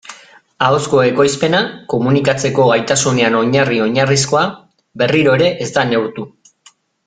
Ahozko ekoizpena, komunikatzeko gaitasunean oinarri-oinarrizkoa, berriro ere ez da neurtu.